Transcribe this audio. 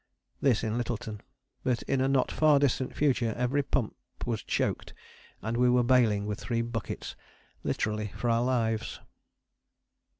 This in Lyttelton; but in a not far distant future every pump was choked, and we were baling with three buckets, literally for our lives.